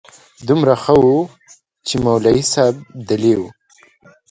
دومره ښه و چې مولوي صاحب دلې و.